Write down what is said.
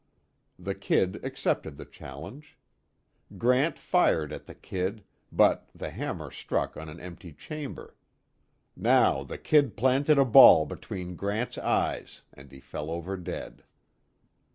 The "Kid" accepted the challenge. Grant fired at the "Kid," but the hammer struck on an empty chamber. Now the "Kid" planted a ball between Grant's eyes and he fell over dead.